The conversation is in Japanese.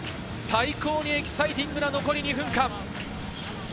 最高にエキサイティングな残り２分間。